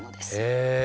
へえ。